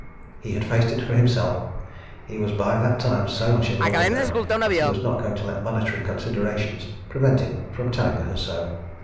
He had faced it for himself he was by that time so much in love with her that he was not going to let monetary considerations prevent him from telling her so.